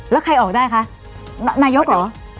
แล้วใครออกได้คะนายกเหรอ